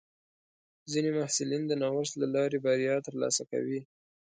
ځینې محصلین د نوښت له لارې بریا ترلاسه کوي.